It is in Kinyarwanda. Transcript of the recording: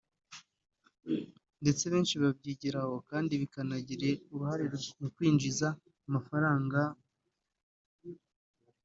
ndetse benshi babyigira aho kandi bikanagira uruhare mu kwinjiriza amafaranga gereza